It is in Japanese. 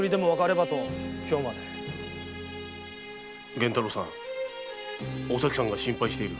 源太郎さんお咲さんが心配している。